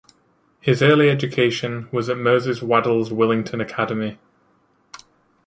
His early education was at Moses Waddel's Willington Academy.